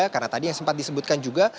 karena tadi yang sempat disebutkan juga